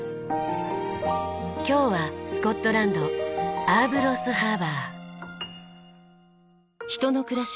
今日はスコットランドアーブロースハーバー。